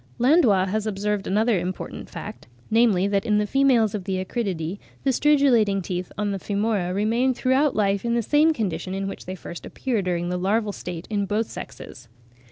Landois has observed another important fact, namely, that in the females of the Acridiidae, the stridulating teeth on the femora remain throughout life in the same condition in which they first appear during the larval state in both sexes.